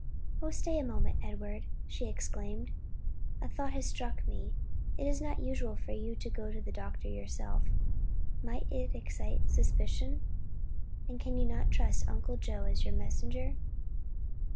"Oh stay a moment, Edward," she exclaimed, "a thought has struck me: it is not usual for you to go for the doctor yourself: might it not excite suspicion? And can you not trust Uncle Joe as your messenger?"